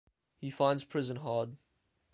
He finds prison hard.